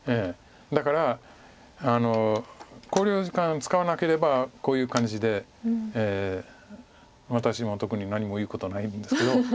だから考慮時間使わなければこういう感じで私も特に何も言うことないんですけど。